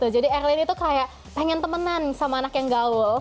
jadi erlin itu kayak pengen temenan sama anak yang gaul